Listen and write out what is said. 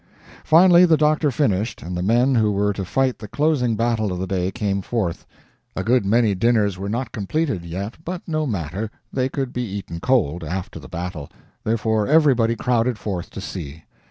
Finally the doctor finished, and the men who were to fight the closing battle of the day came forth. A good many dinners were not completed, yet, but no matter, they could be eaten cold, after the battle; therefore everybody crowded forth to see.